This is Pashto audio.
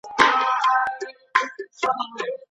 د ازادولو پروسه د حکومت لخوا پرمخ وړل کيږي.